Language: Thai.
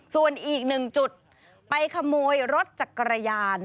ส่วนอีกหนึ่งจุดไปขโมยรถจักรยาน